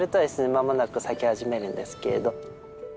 間もなく咲き始めるんですけれど。